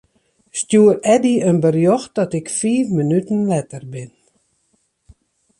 Stjoer Eddy in berjocht dat ik fiif minuten letter bin.